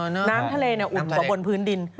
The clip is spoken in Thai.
น้ำทะเลอุ่นกว่าบนพื้นดิน